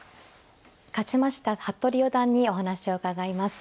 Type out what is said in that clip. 勝ちました服部四段にお話を伺います。